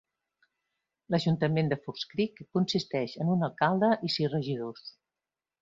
L'ajuntament de Fox Creek consisteix en un alcalde i sis regidors.